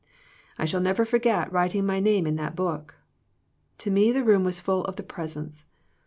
I shall never forget writing my name in that book. To me the room was full of the Presence.